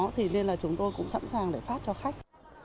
thì nên là chúng tôi cũng sẵn sàng để phát cho khách